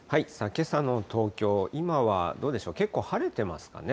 けさの東京、今はどうでしょう、結構晴れてますかね？